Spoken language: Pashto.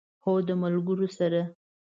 هو، د ملګرو سره